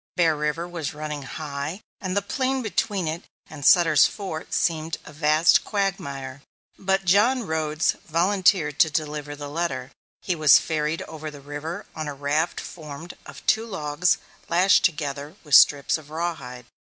Bear River was running high, and the plain between it and Sutter's Fort seemed a vast quagmire, but John Rhodes volunteered to deliver the letter. He was ferried over the river on a raft formed of two logs lashed together with strips of rawhide.